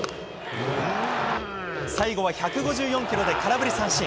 最後は１５４キロで空振り三振。